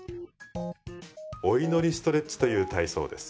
「お祈りストレッチ」という体操です。